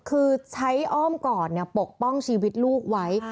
คือใช้อ้อมกอดปกป้องชีวิตลูกไว้